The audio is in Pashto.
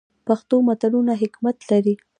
پښتو متلونه حکمت لري